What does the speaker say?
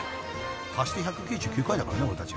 ［足して１９９回だからね俺たち］